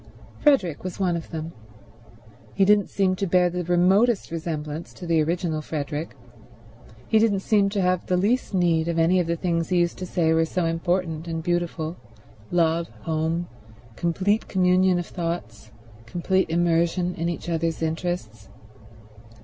Frederick was one of them. He didn't seem to bear the remotest resemblance to the original Frederick. He didn't seem to have the least need of any of the things he used to say were so important and beautiful—love, home, complete communion of thoughts, complete immersion in each other's interests.